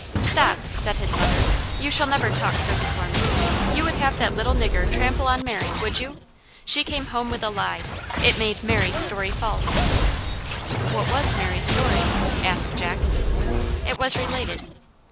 "Stop!" said his mother. "You shall never talk so before me. You would have that little nigger trample on Mary, would you? She came home with a lie; it made Mary's story false." "What was Mary's story?" asked Jack. It was related.